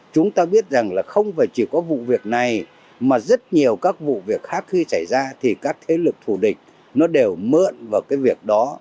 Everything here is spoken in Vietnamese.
chúng ta biết rằng không chỉ có vụ việc này mà rất nhiều các vụ việc khác khi xảy ra thì các thế lực thù địch đều mượn vào việc đó